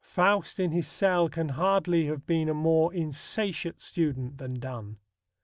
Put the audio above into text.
Faust in his cell can hardly have been a more insatiate student than Donne.